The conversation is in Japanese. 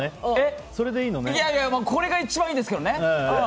いやいやこれが一番いいですけどね。